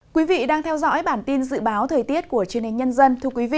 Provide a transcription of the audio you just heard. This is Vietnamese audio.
quý vị đang theo dõi bản tin dự báo thời tiết của truyền hình nhân dân